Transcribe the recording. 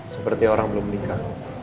seperti orang belum menikah